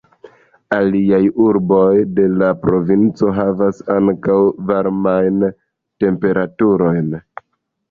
Aliaj urboj de la provinco, havis ankaŭ varmajn temperaturojn.